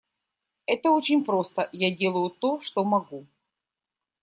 Это очень просто: я делаю то, что могу.